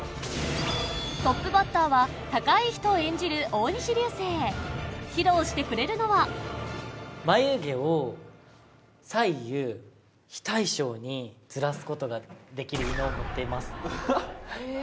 トップバッターは堯人を演じる大西流星披露してくれるのは眉毛を左右非対称にずらすことができる異能を持っていますへえ